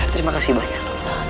terima kasih banyak